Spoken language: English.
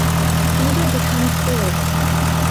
Eva becomes ill.